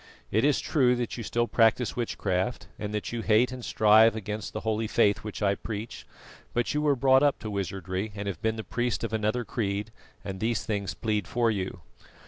It is true that you still practise witchcraft, and that you hate and strive against the holy Faith which I preach; but you were brought up to wizardry and have been the priest of another creed, and these things plead for you.